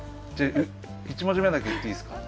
１文字目だけ言っていいですか？